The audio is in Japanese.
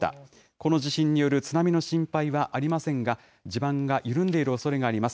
この地震による津波の心配はありませんが、地盤が緩んでいるおそれがあります。